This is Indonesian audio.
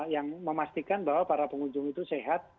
yang memastikan bahwa para pengunjung itu sehat